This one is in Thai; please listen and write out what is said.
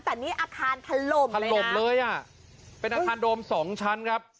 แต่นี่อาคารถล่มถล่มเลยอ่ะเป็นอาคารโดมสองชั้นครับ